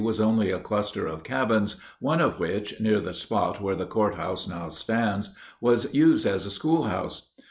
was only a cluster of cabins, one of which, near the spot where the courthouse now stands, was used as a schoolhouse.